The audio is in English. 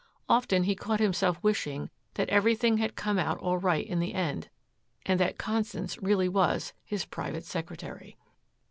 Often he caught himself wishing that everything had come out all right in the end and that Constance really was his private secretary.